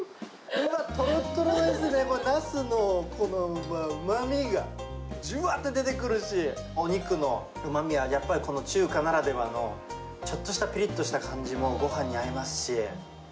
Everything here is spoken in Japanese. とろとろですね、ナスのこのうまみが、じゅわーって出てくるし、お肉のうまみはやっぱり中華ならではの、ちょっとしたぴりっとした感じもごはんに合いますし。